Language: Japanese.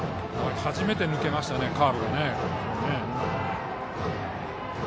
初めてカーブが抜けましたね。